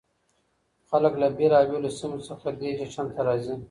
خلک له بېلابېلو سیمو څخه دې جشن ته راځي.